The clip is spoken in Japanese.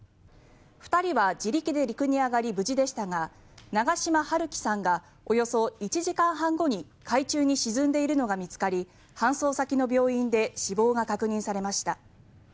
２人は自力で陸に上がり無事でしたが長島陽光さんがおよそ１時間半後に海中に沈んでいるのが見つかり搬送先の病院で死亡が確認されました。